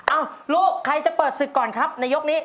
เอ้าลูกใครจะเปิดศึกก่อนครับในยกนี้